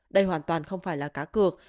đây hoàn toàn không phải là cá cược